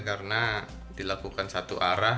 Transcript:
karena dilakukan satu arah